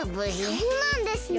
そうなんですね！